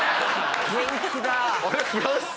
元気だ！